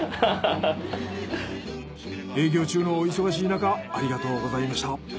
営業中のお忙しいなかありがとうございました。